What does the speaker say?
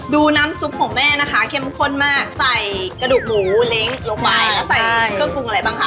ดูน้ำซุปของแม่นะคะเข้มข้นมากใส่กระดูกหมูเล้งลงไปแล้วใส่เครื่องปรุงอะไรบ้างคะ